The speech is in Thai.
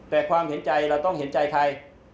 แต่ความเห็นใจเราต้องเห็นใจใคร